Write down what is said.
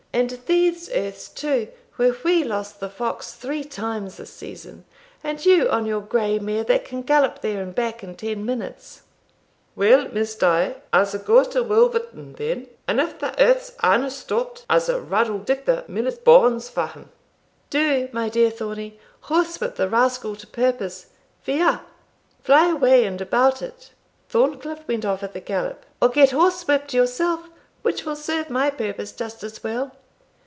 and these earths, too, where we lost the fox three times this season! and you on your grey mare, that can gallop there and back in ten minutes!" "Well, Miss Die, I'se go to Woolverton then, and if the earths are not stopt, I'se raddle Dick the miller's bones for him." "Do, my dear Thornie; horsewhip the rascal to purpose via fly away, and about it;" Thorncliff went off at the gallop "or get horsewhipt yourself, which will serve my purpose just as well.